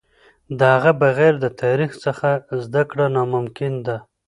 د هغه بغیر د تاریخ څخه زده کړه ناممکن ده.